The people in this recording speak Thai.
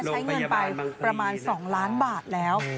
ใช้เงินไปประมาณ๒ล้านบาทแล้ว